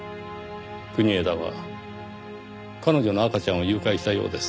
国枝は彼女の赤ちゃんを誘拐したようです。